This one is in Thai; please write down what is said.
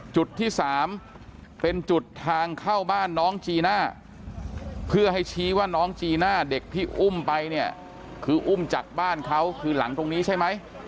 จุดที่๓เป็นจุดทางเข้าบ้านน้องจีน่าเพื่อให้ชี้ว่าน้องจีน่าเด็กที่อุ้มไปเนี่ยคืออุ้มจากบ้านเขาคือหลังตรงนี้ใช่ไหม